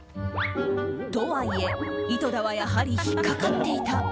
とはいえ、井戸田はやはり引っかかっていた。